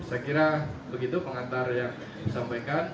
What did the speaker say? saya kira begitu pengantar yang disampaikan